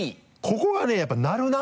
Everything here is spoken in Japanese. ここがねやっぱ鳴るな。